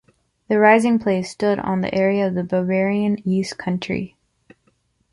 The rising place stood on the area of the Bavarian east country.